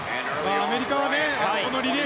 アメリカはリレー